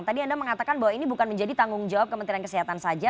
tadi anda mengatakan bahwa ini bukan menjadi tanggung jawab kementerian kesehatan saja